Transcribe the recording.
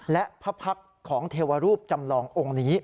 และพระพักษ์ของเทวรูปจำลององค์นี้